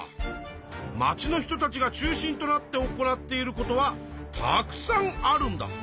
まちの人たちが中心となって行っていることはたくさんあるんだ。